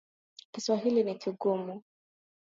Kisawhili ni kigumu.